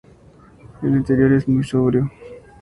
El interior es muy sobrio.